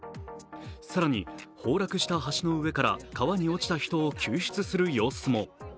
更に崩落した橋の上から川に落ちた人を救出する様子も。